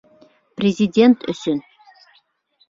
Президент өсөн!